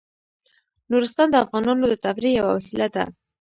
نورستان د افغانانو د تفریح یوه وسیله ده.